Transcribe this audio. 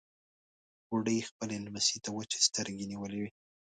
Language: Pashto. بوډۍ خپلې لمسۍ ته وچې سترګې نيولې وې.